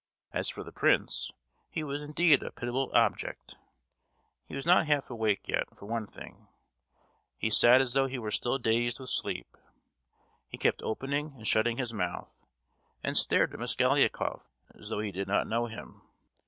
As for the prince, he was indeed a pitiable object! He was not half awake yet, for one thing; he sat as though he were still dazed with sleep; he kept opening and shutting his mouth, and stared at Mosgliakoff as though he did not know him!